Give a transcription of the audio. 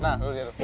nah lu lihat